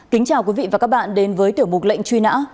kính chào quý vị và các bạn đến với tiểu mục lệnh truy nã